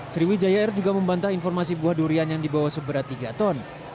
sriwijaya air juga membantah informasi buah durian yang dibawa seberat tiga ton